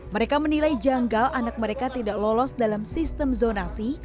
mereka menilai janggal anak mereka tidak lolos dalam sistem zonasi